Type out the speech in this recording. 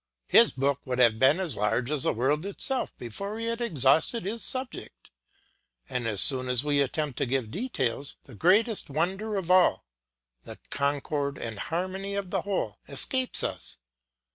His book would have been as large as the world itself before he had exhausted his subject, and as soon as we attempt to give details, that greatest wonder of all, the concord and harmony of the whole, escapes us.